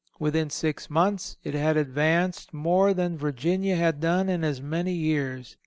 Within six months it had advanced more than Virginia had done in as many years....